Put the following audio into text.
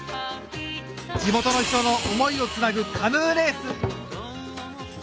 地元の人の思いをつなぐカヌーレース！